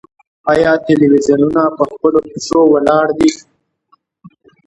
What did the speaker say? آیا تلویزیونونه په خپلو پښو ولاړ دي؟